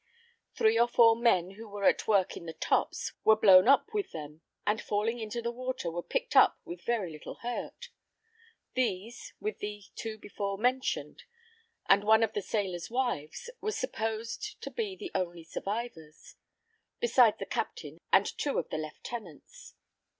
Three or four men who were at work in the tops, were blown up with them and falling into the water, were picked up with very little hurt. These, with the two before mentioned, and one of the sailors' wives, were supposed to be the only survivors, besides the captain and two of the lieutenants.